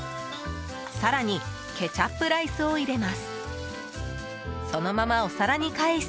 更にケチャップライスを入れます。